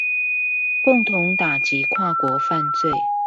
共同打擊跨國犯罪